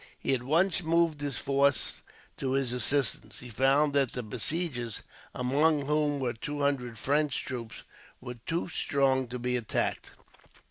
He at once moved his force to his assistance. He found that the besiegers, among whom were two hundred French troops, were too strong to be attacked.